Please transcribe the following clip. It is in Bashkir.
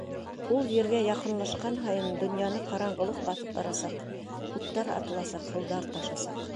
Ул Ергә яҡынлашҡан һайын донъяны ҡараңғылыҡ баҫып барасаҡ, уттар атыласаҡ, һыуҙар ташасаҡ.